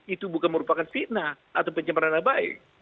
itu bukan merupakan fitnah atau pencemaran nama baik